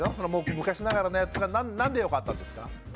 昔ながらのやつがなんでよかったんですか？